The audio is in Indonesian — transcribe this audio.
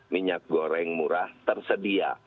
minyak goreng murah tersedia